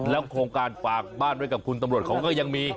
โครงการฝากบ้านไว้กับคุณตำรวจเขาก็ยังมี